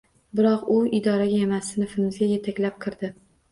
Biroq u idoraga emas, sinfimizga yetaklab kirdi.